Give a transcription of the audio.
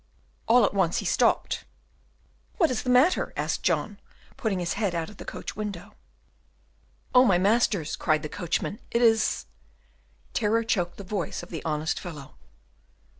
All at once he stopped. "What is the matter?" asked John, putting his head out of the coach window. "Oh, my masters!" cried the coachman, "it is " Terror choked the voice of the honest fellow.